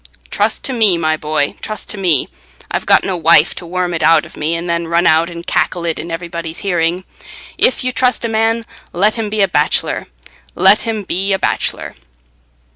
"Trust to me, my boy, trust to me. I've got no wife to worm it out of me and then run out and cackle it in everybody's hearing. If you trust a man, let him be a bachelor—let him be a bachelor."